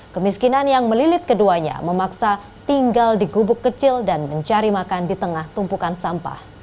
kemiskinan yang melilit keduanya memaksa tinggal di gubuk kecil dan mencari makan di tengah tumpukan sampah